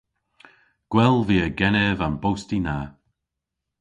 Gwell via genev an bosti na.